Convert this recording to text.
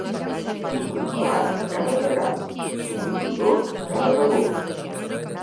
Mico pelat, cara de gat; mico filós, cara de gos.